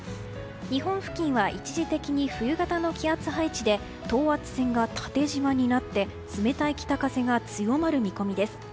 日本付近は一時的に冬型の気圧配置で等圧線が縦縞になって冷たい北風が強まる見込みです。